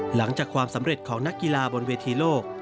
หลังจากความสำเร็จของนักกีฬาบนเวทีโลก